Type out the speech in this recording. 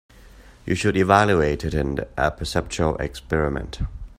You should evaluate it in a perceptual experiment.